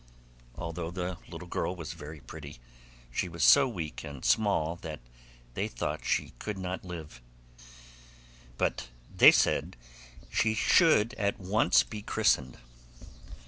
Although the little girl was very pretty, she was so weak and small that they thought she could not live; but they said she should at once be christened.